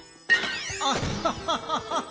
アハハハ。